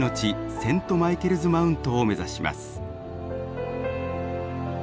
セント・マイケルズ・マウントを目指します。